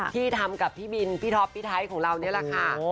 ที่ทำกับพี่บินพี่ท็อปพี่ไทยของเรานี่แหละค่ะ